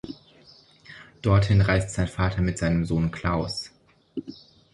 Dorthin reist ein Vater mit seinem Sohn Klaus.